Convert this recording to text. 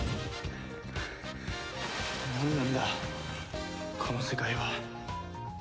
なんなんだこの世界は。